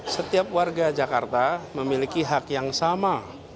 setiap warga jakarta memiliki hak yang sama